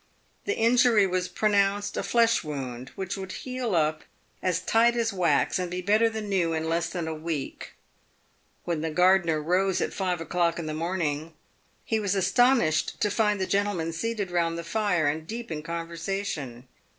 The injury was pronounced a flesh wound, which would heal up as tight as wax and be better than new in less than a week. "When the gardener rose at five o'clock in the morning, he was astonished to find the gentlemen seated round the fire and deep in conversation.